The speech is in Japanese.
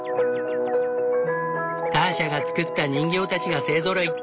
ターシャが作った人形たちが勢ぞろい。